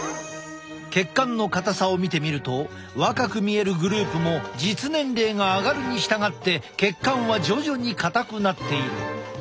血管の硬さを見てみると若く見えるグループも実年齢が上がるに従って血管は徐々に硬くなっている。